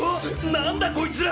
なんだこいつら！